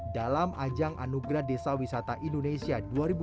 dalam ajang anugerah desa wisata indonesia dua ribu dua puluh